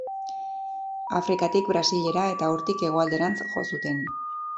Afrikatik Brasilera eta hortik hegoalderantz jo zuten.